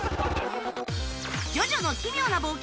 『ジョジョの奇妙な冒険』